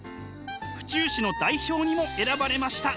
府中市の代表にも選ばれました。